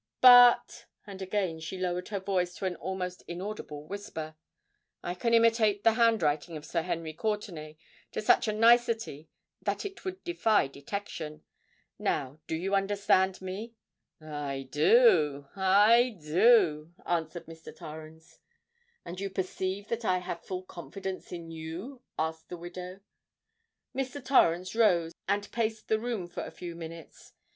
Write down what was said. But,"—and again she lowered her voice to an almost inaudible whisper—"I can imitate the handwriting of Sir Henry Courtenay to such a nicety that it would defy detection. Now, do you understand me?" "I do—I do," answered Mr. Torrens. "And you perceive that I have full confidence in you," added the widow. Mr. Torrens rose and paced the room for a few minutes.